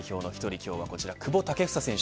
今日はこちら久保建英選手。